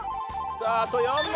さああと４問。